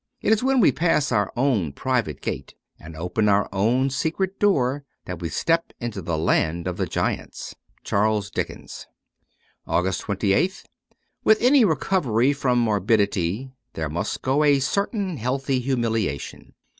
It is when we pass our own private gate, and open our own secret door, that we step into the land of the giants. ' Charles Dickens.' 265 AUGUST 28th WITH any recovery from morbidity there must go a certain healthy humiliation.